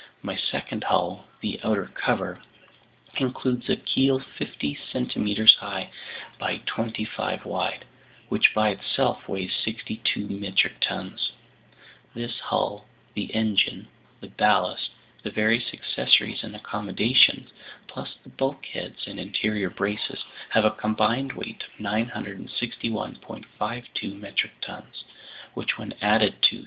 My second hull, the outer cover, includes a keel fifty centimeters high by twenty five wide, which by itself weighs 62 metric tons; this hull, the engine, the ballast, the various accessories and accommodations, plus the bulkheads and interior braces, have a combined weight of 961.52 metric tons, which when added to 394.